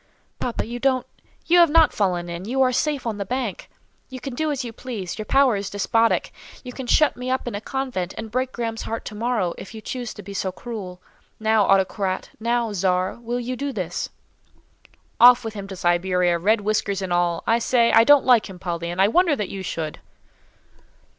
"Papa, you don't—you have not fallen in; you are safe on the bank; you can do as you please; your power is despotic; you can shut me up in a convent, and break Graham's heart to morrow, if you choose to be so cruel. Now, autocrat, now czar, will you do this?" "Off with him to Siberia, red whiskers and all; I say, I don't like him, Polly, and I wonder that you should."